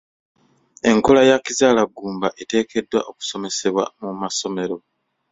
Enkola ya kizaala ggumba eteekeddwa okusomesebwa mu masomero,